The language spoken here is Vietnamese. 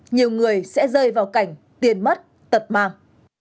nhiều người sẽ rơi vào cảnh tiền mất tật mang